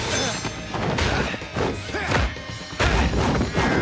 うっ！